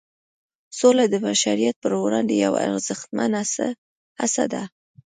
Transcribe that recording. سوله د بشریت پر وړاندې یوه ارزښتمنه هڅه ده.